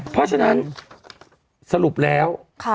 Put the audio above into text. เพราะฉะนั้นสรุปแล้ว